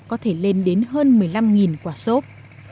có thể lên đến hơn một mươi năm quả sốt